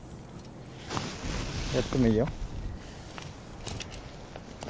やってもいいよ。